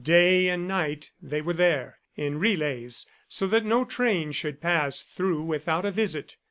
Day and night they were there, in relays, so that no train should pass through without a visit.